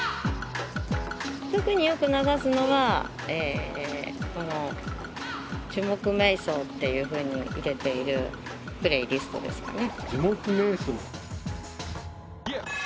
特によく流すのはこの「樹木瞑想」っていうふうに入れているプレイリストですかね。